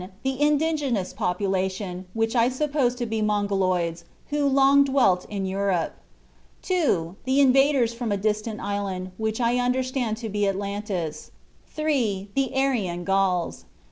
The indigenous population, which I suppose to be Mongoloids, who had long dwelt in Europe; 2. The invaders from a distant island, which I understand to be Atlantis; 3. The Aryan Gauls."